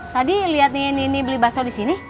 tadi lihat ini beli bakso di sini